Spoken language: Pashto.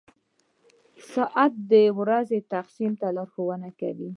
• ساعت د ورځې تقسیم ته لارښوونه کوي.